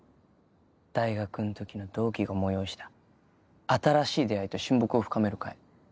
大学の時の同期が催した新しい出会いと親睦を深める会。